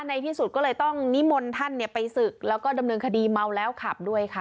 ในที่สุดก็เลยต้องนิมนต์ท่านไปศึกแล้วก็ดำเนินคดีเมาแล้วขับด้วยค่ะ